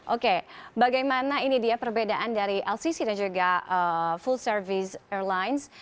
oke bagaimana ini dia perbedaan dari lcc dan juga full service airlines